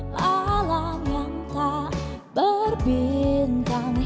malam yang tak berbintang